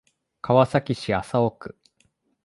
川崎市麻生区